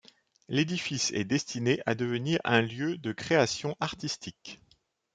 L'édifice est destiné à devenir un lieu de création artistique.